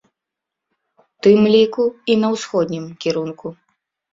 У тым ліку, і на ўсходнім кірунку.